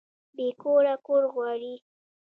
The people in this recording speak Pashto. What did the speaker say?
بې کوره کور غواړي